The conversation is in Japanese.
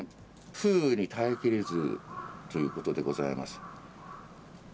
風雨に耐えきれずということでございます。